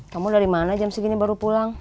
kamu dari mana jam segini baru pulang